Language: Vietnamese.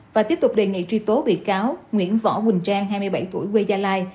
và tiếp tục đề nghị truy tố bị cáo nguyễn võ huỳnh trang hai mươi bảy tuổi quê gia lai